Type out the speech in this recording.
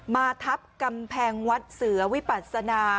มาทับกำแพงวัดเสือวิปัศนา